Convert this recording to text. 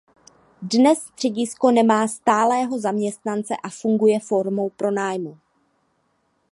Dnes středisko nemá stálého zaměstnance a funguje formou pronájmu.